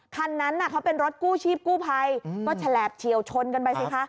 คันนั้นเขาเป็นรถกู้ชีพกู้ภัยก็ฉลาบเฉียวชนกันไปสิคะ